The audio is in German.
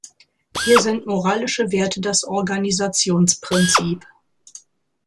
Hier sind moralische Werte das Organisationsprinzip.